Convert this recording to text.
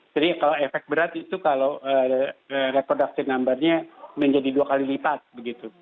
jadi kalau efek berat itu kalau reproduksi numbernya menjadi dua kali lipat begitu